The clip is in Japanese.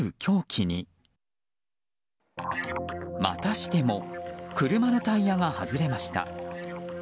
またしても車のタイヤが外れました。